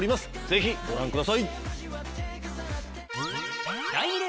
ぜひご覧ください。